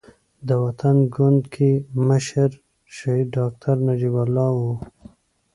د وطن ګوند کې مشر شهيد ډاکټر نجيب الله وو.